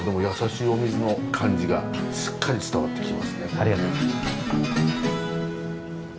ありがとうございます。